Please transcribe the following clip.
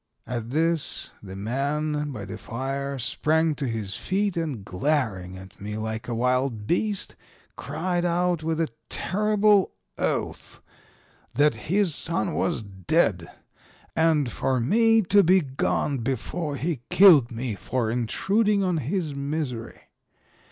"At this the man by the fire sprang to his feet, and glaring at me like a wild beast, cried out with a terrible oath that his son was dead, and for me to be gone before he killed me for intruding on his misery.